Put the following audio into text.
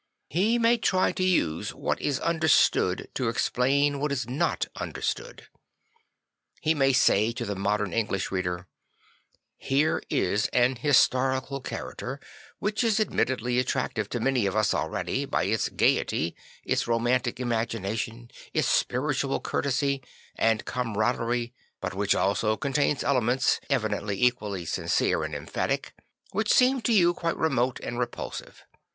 He may try to use what is under stood to explain what is not understood. He may say to the modern English reader: II Here is an historical character which is admittedly attrac tive to many of us already, by its gaiety, its romantic imagination, its spiritual courtesy and camaraderie, but which also contains elements (evidently equally sincere and emphatic) which seem to you quite remote and repulsive.